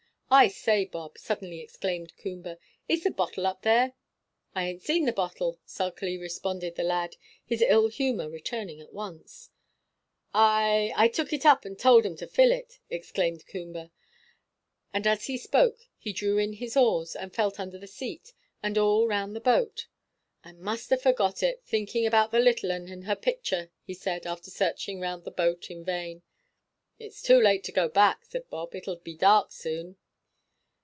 "I say, Bob," suddenly exclaimed Coomber, "is the bottle up there?" "I ain't seen the bottle," sulkily responded the lad, his ill humour returning at once. "I I took it up, and told 'em to fill it," exclaimed Coomber; and as he spoke he drew in his oars, and felt under the seat, and all round the boat. "I must ha' forgot it, thinking about the little 'un and her picture," he said, after searching round the boat in vain. "It's too late to go back," said Bob; "it'll be dark soon."